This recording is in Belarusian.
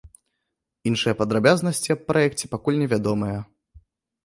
Іншыя падрабязнасці аб праекце пакуль невядомыя.